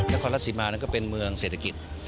นักษมณ์ลักษมณณ์นั่นก็เป็นเมืองเศรษฐกิจ